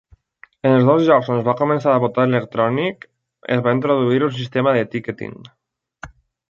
En els dos llocs on es va començar a votar electrònic es va introduir un sistema de "Ticketing".